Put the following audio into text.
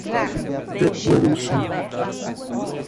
Taquarussu